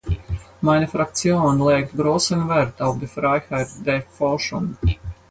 Meine Fraktion legt großen Wert auf die Freiheit der Forschung.